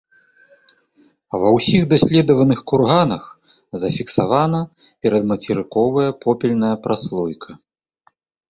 Ва ўсіх даследаваных курганах зафіксавана перадмацерыковая попельная праслойка.